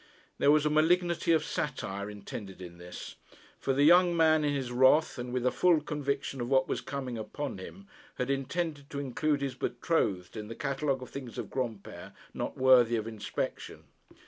There was a malignity of satire intended in this; for the young man in his wrath, and with a full conviction of what was coming upon him, had intended to include his betrothed in the catalogue of things of Granpere not worthy of inspection.